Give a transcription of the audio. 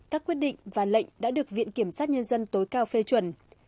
các quyết định và lệnh đã được viện kiểm sát nhân dân tối cao phê chuẩn